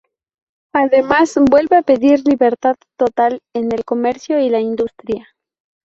Además, vuelve a pedir libertad total en el comercio y en la industria.